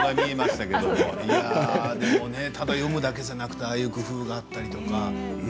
でもね、ただ読むだけではなくてああいう工夫があったり。